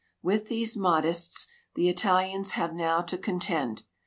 With these INIahdists the Italians have now to contend.